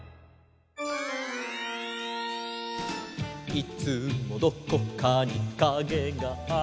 「いつもどこかにカゲがある」